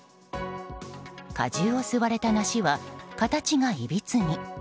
果汁を吸われた梨は形がいびつに。